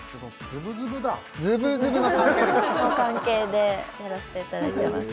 ズブズブの関係でやらせていただいてます